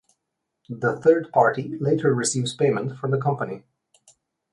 The third party later receives payment from the company.